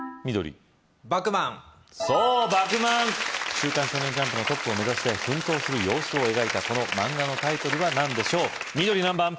週刊少年ジャンプのトップを目指して奮闘する様子を描いたこの漫画のタイトルは何でしょう緑何番？